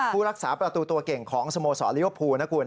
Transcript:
ผู้รักษาประตูตัวเก่งของสโมสรลิเวอร์พูลนะคุณ